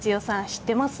知ってます？